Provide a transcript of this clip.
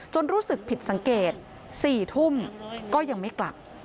รู้สึกผิดสังเกต๔ทุ่มก็ยังไม่กลับ